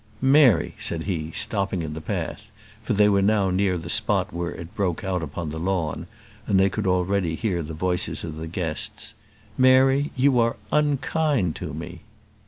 "Mary," said he, stopping in the path for they were now near the spot where it broke out upon the lawn, and they could already hear the voices of the guests "Mary, you are unkind to me."